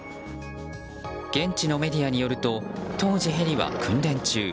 現地のメディアによると当時、ヘリは訓練中。